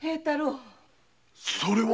それは。